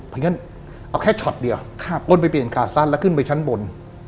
เพราะฉะนั้นเอาแค่ช็อตเดียวอ้นไปเปลี่ยนขาสั้นแล้วขึ้นไปชั้นบน